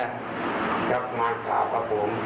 เดี๋ยวก่อนเป็นตำรวจงงเลยอะ